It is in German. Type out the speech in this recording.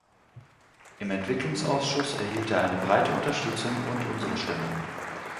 Im Entwicklungsausschuss erhielt er eine breite Unterstützung und unsere Stimme.